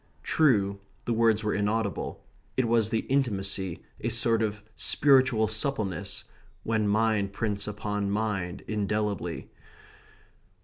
True, the words were inaudible. It was the intimacy, a sort of spiritual suppleness, when mind prints upon mind indelibly.